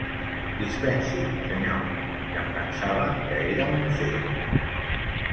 Dispensi, senyor, que em pensava que era un ocell.